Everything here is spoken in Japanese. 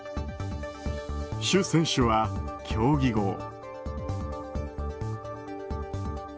シュ選手は競技後。